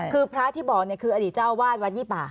คือพระที่บอกคืออดีตเจ้าวาดวัดยี่ป่า